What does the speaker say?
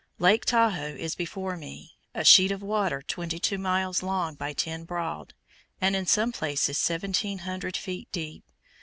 Lake Tahoe is before me, a sheet of water twenty two miles long by ten broad, and in some places 1,700 feet deep.